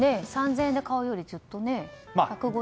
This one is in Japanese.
３０００円で買うよりずっとね。